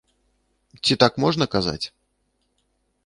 Ці так можна казаць?